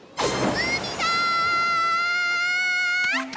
海だ！